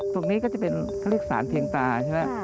ตรงนี้ก็จะเป็นเขาเรียกสารเพียงตาใช่ไหม